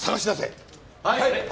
はい！